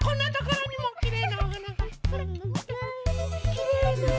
きれいね！